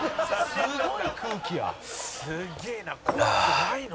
すごい。